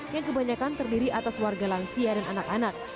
yang kebanyakan terdiri atas warga lansia dan anak anak